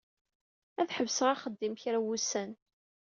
Ad ḥebseɣ axeddim kra n wussan.